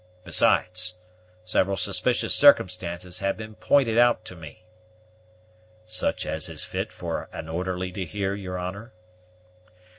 Besides, several suspicious circumstances have been pointed out to me." "Such as is fit for an orderly to hear, your honor?"